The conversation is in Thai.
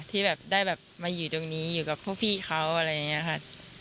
ที่แบบได้แบบมาอยู่ตรงนี้อยู่กับพวกพี่เขาอะไรอย่างนี้ค่ะ